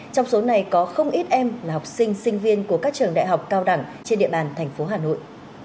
trong số này có không ít em là học sinh sinh viên của các trường đại học cao đẳng trên địa bàn thành phố hà nội